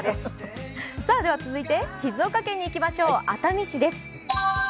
続いて静岡県にいきましょう、熱海市です。